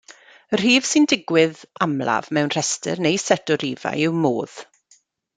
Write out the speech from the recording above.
Y rhif sy'n digwydd amlaf mewn rhestr neu set o rifau yw modd.